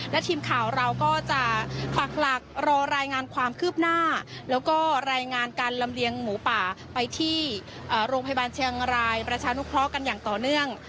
และทีมข่าวเราก็จะปักหลักรอรายงานความคืบหน้าแล้วก็รายงานการลำเลียงหมูป่าไปที่โรงพยาบาลเชียงรายประชานุเคราะห์กันอย่างต่อเนื่อง